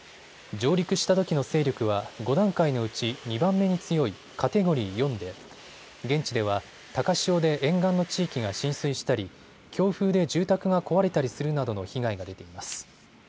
上陸したときの勢力は５段階のうち２番目に強いカテゴリー４で現地では高潮で沿岸の地域が浸水したり、強風で住宅が壊れたりするなどの被害が出ています。